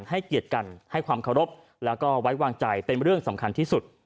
ให้เกียรติกันให้ความเคารพแล้วก็ไว้วางใจเป็นเรื่องสำคัญที่สุด